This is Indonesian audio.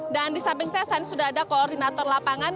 dan di samping saya saya sudah ada koordinator lapangan